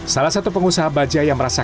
salah satu pengusaha bajai yang merasa